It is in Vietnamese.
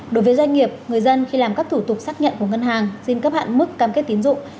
đối với doanh nghiệp người dân khi làm các thủ tục xác nhận của ngân hàng xin cấp hạn mức cam kết tín dụng